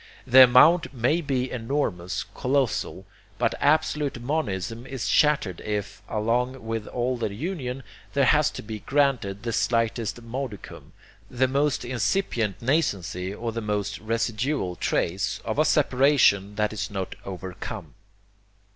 The amount may be enormous, colossal; but absolute monism is shattered if, along with all the union, there has to be granted the slightest modicum, the most incipient nascency, or the most residual trace, of a separation that is not 'overcome.'